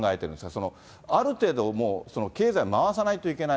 その、ある程度、もう経済を回さなきゃいけない。